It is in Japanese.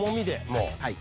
もうはい。